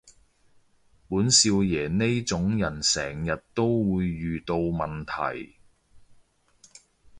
本少爺呢種人成日都會遇到問題